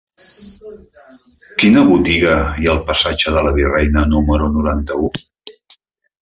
Quina botiga hi ha al passatge de la Virreina número noranta-u?